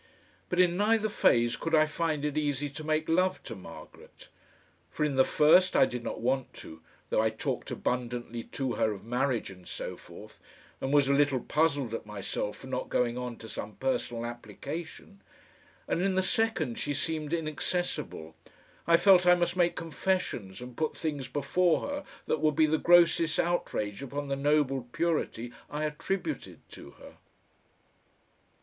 But in neither phase could I find it easy to make love to Margaret. For in the first I did not want to, though I talked abundantly to her of marriage and so forth, and was a little puzzled at myself for not going on to some personal application, and in the second she seemed inaccessible, I felt I must make confessions and put things before her that would be the grossest outrage upon the noble purity I attributed to her.